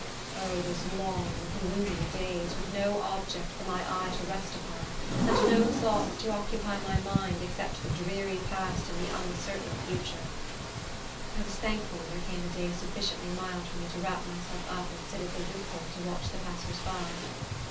O, those long, gloomy days, with no object for my eye to rest upon, and no thoughts to occupy my mind, except the dreary past and the uncertain future! I was thankful when there came a day sufficiently mild for me to wrap myself up and sit at the loophole to watch the passers by.